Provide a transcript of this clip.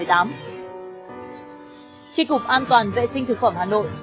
di cục an toàn vệ sinh tp hà nội